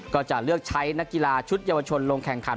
ก็จะเลือกใช้นักกีฬาชุดเยาวชนลงแข่งขัน